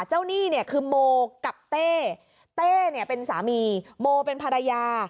หนี้เนี่ยคือโมกับเต้เต้เนี่ยเป็นสามีโมเป็นภรรยา